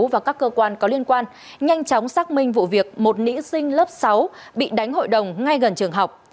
và các cơ quan có liên quan nhanh chóng xác minh vụ việc một nữ sinh lớp sáu bị đánh hội đồng ngay gần trường học